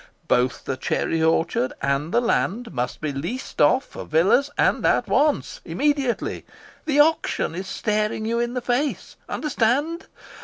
Both the cherry orchard and the land must be leased off for villas and at once, immediately the auction is staring you in the face: Understand!